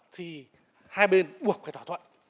thì hai bên buộc phải thỏa thuận